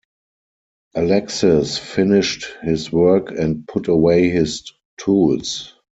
Alexis finished his work and put away his tools.